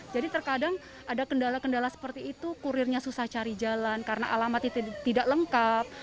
jadi terkadang ada kendala kendala seperti itu kurirnya susah cari jalan karena alamatnya tidak lengkap